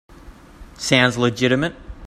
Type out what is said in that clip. Sounds legitimate.